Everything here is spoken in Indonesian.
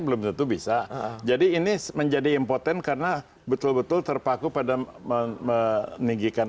belum tentu bisa jadi ini menjadi impoten karena betul betul terpaku pada meninggikan